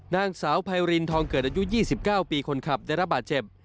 นางสาวไพรินทองเกิดอายุ๒๙ปีคนขับได้รับบาดเจ็บ